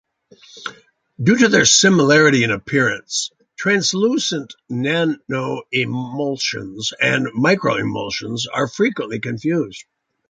Due to their similarity in appearance, translucent nanoemulsions and microemulsions are frequently confused.